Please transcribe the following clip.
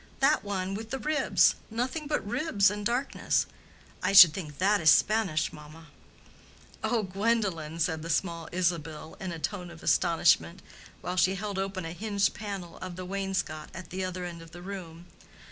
That one with the ribs—nothing but ribs and darkness—I should think that is Spanish, mamma." "Oh, Gwendolen!" said the small Isabel, in a tone of astonishment, while she held open a hinged panel of the wainscot at the other end of the room.